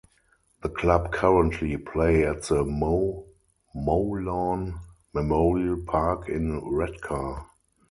The club currently play at the Mo Mowlam Memorial Park in Redcar.